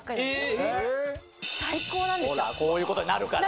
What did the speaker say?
ほらこういうことになるから。